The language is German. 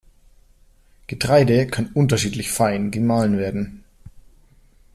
Getreide kann unterschiedlich fein gemahlen werden.